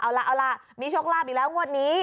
เอาละมีโชคลาภอีกแล้วงวดนี้